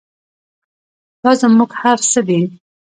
دا زموږ هر څه دی؟